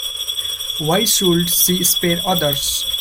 Why should she spare others?